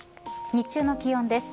日中の気温です。